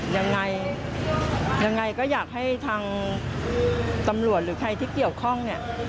ยังไงยังไงก็อยากให้ทางตำรวจหรือใครที่เกี่ยวข้องเนี่ย